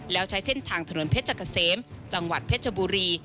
แล้วใช้เส้นทางถนนเพชรเกษมจังหวัดเพชรบุรี